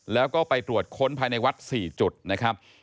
แล้วก็ไปตรวจค้นภายในวัด๔จุดนะครับ